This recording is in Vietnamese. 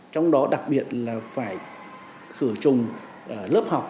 trong đó đặc biệt là phải khử trùng lớp học